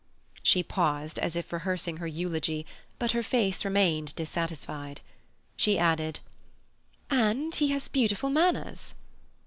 She paused, as if rehearsing her eulogy, but her face remained dissatisfied. She added: "And he has beautiful manners."